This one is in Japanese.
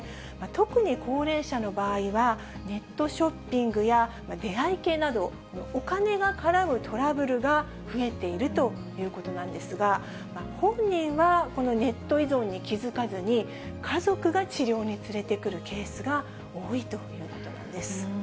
特に高齢者の場合は、ネットショッピングや出会い系など、お金が絡むトラブルが増えているということなんですが、本人はこのネット依存に気付かずに、家族が治療に連れてくるケースが多いということなんですね。